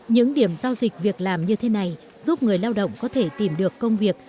những điểm giao dịch việc làm như thế này giúp người lao động có thể tìm được công việc